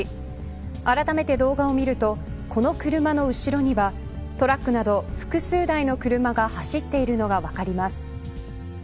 あらためて動画を見るとこの車の後ろにはトラックなど複数台の車が走っているのが分かります。